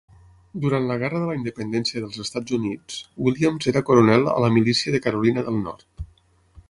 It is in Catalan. Durant la Guerra de la Independència dels Estats Units, Williams era coronel a la milícia de Carolina del Nord.